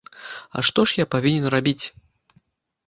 А што ж я павінен рабіць?